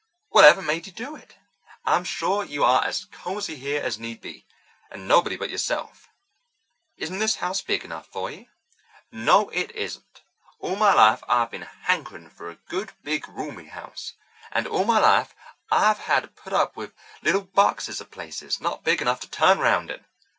"Whatever made you do it? I'm sure you are as cosy here as need be, and nobody but yourself. Isn't this house big enough for you?" "No, it isn't. All my life I've been hankering for a good, big, roomy house, and all my life I've had to put up with little boxes of places, not big enough to turn round in.